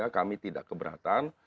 kami tidak keberatan